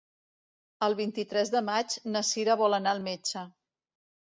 El vint-i-tres de maig na Cira vol anar al metge.